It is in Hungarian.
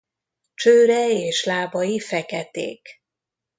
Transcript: Csőre és lábai feketék.